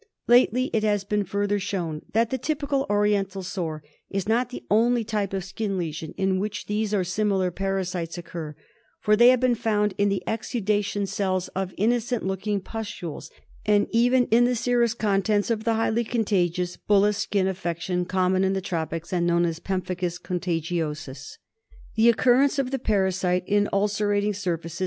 Lately it has been fur ther shown that the typical Oriental Sore is not the only type of skin lesion in which these or similar parasites occur, for they have been found in the exudation cells of innocent looking pustules, and even in the serous contents of the highly contagious bullous skin affection common in the tropics and known as pemphigus contagiosus. KALA AZAR. I45 The occurrence of the parasite in ulcerating surfaces